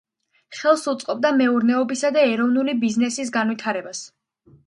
ხელს უწყობდა მეურნეობისა და ეროვნული ბიზნესის განვითარებას.